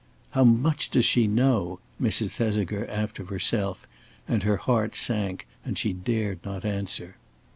"How much does she know?" Mrs. Thesiger asked of herself; and her heart sank and she dared not answer.